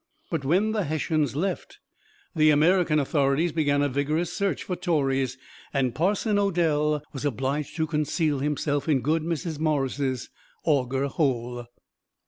But when the Hessians left, the American authorities began a vigorous search for Tories; and Parson Odell was obliged to conceal himself in good Mrs. Morris's "Auger Hole."